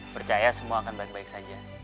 percaya semua akan baik baik saja